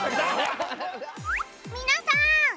皆さん！